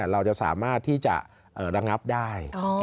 เราจะสามารถที่จะระงับได้